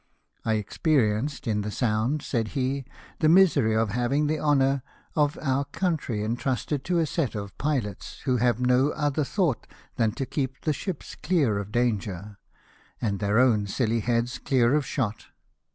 "I experienced in the Sound," said he, " the misery of having the honour of our BATTLE OF COPENHAGEN. 229 country entrusted to a set of pilots, who have no other thought than to keep the ships clear of danger, and their own silly heads clear of shot.